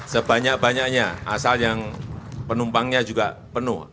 sebanyak banyaknya asal yang penumpangnya juga penuh